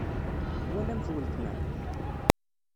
Twalamt weltma?